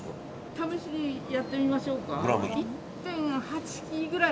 試しにやってみましょうか？